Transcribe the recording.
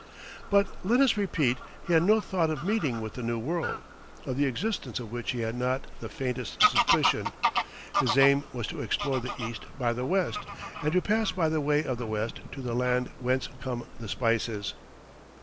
But let us repeat, he had no thought of meeting with the New World, of the existence of which he had not the faintest suspicion. His aim was "to explore the East by the West, and to pass by the way of the West to the Land whence come the spices."